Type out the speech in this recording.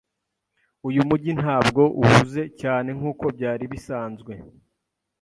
Uyu mujyi ntabwo uhuze cyane nkuko byari bisanzwe.